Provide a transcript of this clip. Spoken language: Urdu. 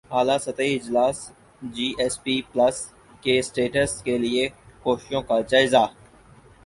اعلی سطحی اجلاس جی ایس پی پلس کے اسٹیٹس کیلئے کوششوں کا جائزہ